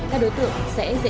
các đối tượng sẽ dễ giao dịch